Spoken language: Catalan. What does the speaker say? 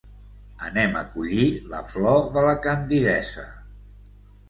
Anem a collir la flor de la candidesa.